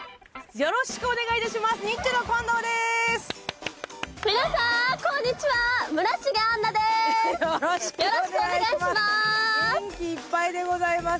よろしくお願いします。